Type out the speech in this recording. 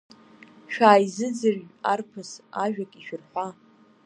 Шәааизыӡырҩ арԥыс, ажәак ишәырҳәа!